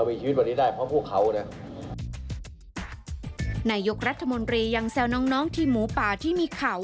พวกเขาน่ะนายโยรัฐมนตรียังแซวน้องทีมู๋ป่าที่มีข่าว